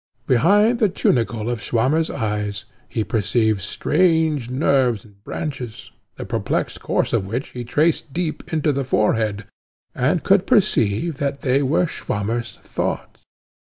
Behind the tunicle of Swammer's eyes he perceived strange nerves and branches, the perplexed course of which he traced deep into the forehead, and could perceive that they were Swammer's thoughts.